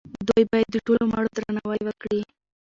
دوی باید د ټولو مړو درناوی وکړي.